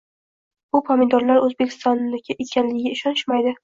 Bu pomidorlar Oʻzbekistonniki ekanligiga ishonishmaydi.